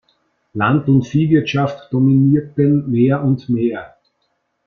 Land- und Viehwirtschaft dominierten mehr und mehr.